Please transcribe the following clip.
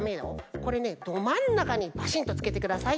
これねどまんなかにバシンッとつけてください。